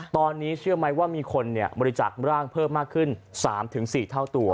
ตอนนี้เชื่อไหมว่ามีคนบริจาคร่างเพิ่มมากขึ้น๓๔เท่าตัว